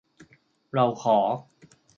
เราขอ